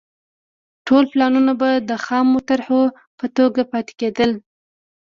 ټول پلانونه به د خامو طرحو په توګه پاتې کېدل.